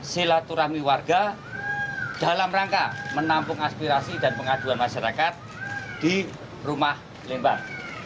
silaturahmi warga dalam rangka menampung aspirasi dan pengaduan masyarakat di rumah lembang